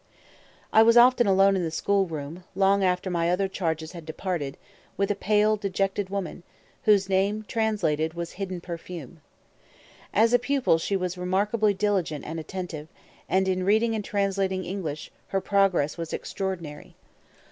I was often alone in the school room, long after my other charges had departed, with a pale, dejected woman, whose name translated was "Hidden Perfume." As a pupil she was remarkably diligent and attentive, and in reading and translating English, her progress was extraordinary.